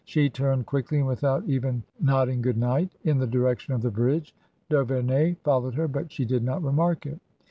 She turned quickly, and without even nodding good night, in the direction of the Bridge. D'Auverney followed her, but she did not remark it.